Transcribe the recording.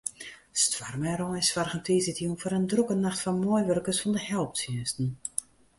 Stoarm en rein soargen tiisdeitejûn foar in drokke nacht foar meiwurkers fan de helptsjinsten.